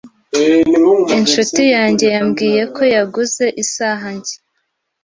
Inshuti yanjye yambwiye ko yaguze isaha nshya.